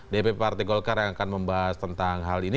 dpp partai golkar yang akan membahas tentang hal ini